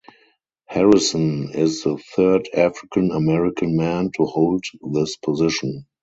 Harrison is the third African American man to hold this position.